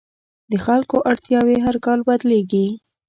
د خلکو اړتیاوې هر کال بدلېږي.